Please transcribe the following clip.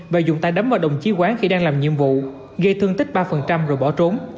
và dùng tay đấm vào đồng chí quán khi đang làm nhiệm vụ gây thương tích ba rồi bỏ trốn